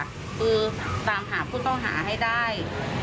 คือตามหาผู้ต้องหาให้ได้